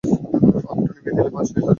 আলোটা নিভিয়ে দিলেই সে চলে যাবে।